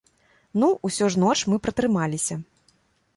Ну, усё ж ноч мы пратрымаліся.